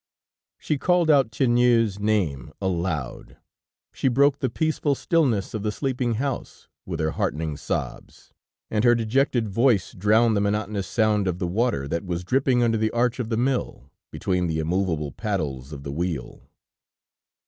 She called out Tiennou's name aloud, she broke the peaceful stillness of the sleeping house with her heartrending sobs, and her dejected voice drowned the monotonous sound of the water that was dripping under the arch of the mill, between the immovable paddles of the wheel.